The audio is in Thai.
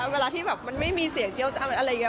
เวลาที่แบบมันไม่มีเสียงเจี๊ยอะไรอย่างนี้